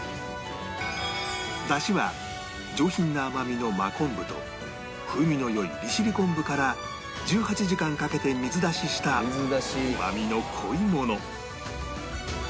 出汁は上品な甘みの真昆布と風味の良い利尻昆布から１８時間かけて水出ししたうまみの濃いもの